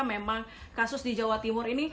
memang kasus di jawa timur ini